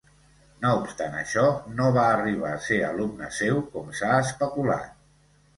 No obstant això, no va arribar a ser alumne seu, com s'ha especulat.